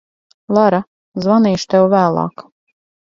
Lara, zvanīšu tev vēlāk.